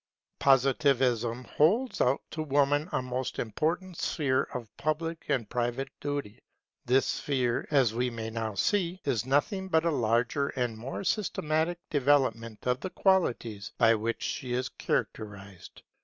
Positivism holds out to woman a most important sphere of public and private duty. This sphere, as we may now see, is nothing but a larger and more systematic development of the qualities by which she is characterized.